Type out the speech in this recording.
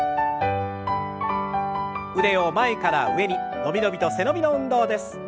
腕を前から上に伸び伸びと背伸びの運動です。